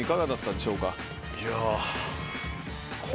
いや。